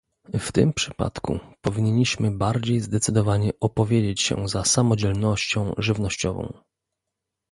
W tym przypadku powinniśmy bardziej zdecydowanie opowiedzieć się za samodzielnością żywnościową